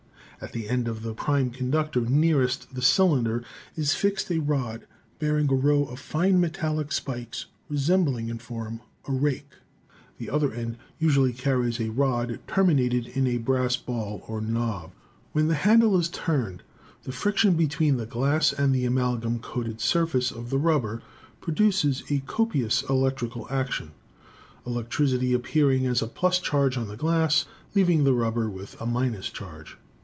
At the end of the prime conductor nearest the cylinder is fixed a rod bearing a row of fine metallic spikes, resembling in form a rake; the other end usually carries a rod terminated in a brass ball or knob. When the handle is turned the friction between the glass and the amalgam coated surface of the rubber produces a copious electrical action, electricity appearing as a + charge on the glass, leaving the rubber with a — charge.